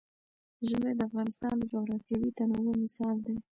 ژمی د افغانستان د جغرافیوي تنوع مثال دی.